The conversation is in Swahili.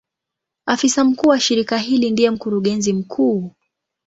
Afisa mkuu wa shirika hili ndiye Mkurugenzi mkuu.